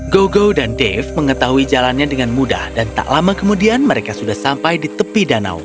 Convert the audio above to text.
gogo dan dave mengetahui jalannya dengan mudah dan tak lama kemudian mereka sudah sampai di tepi danau